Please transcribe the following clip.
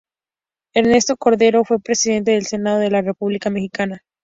Ernesto Cordero fue Presidente del Senado de la República Mexicana.